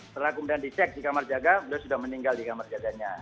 setelah kemudian dicek di kamar jaga beliau sudah meninggal di kamar jaganya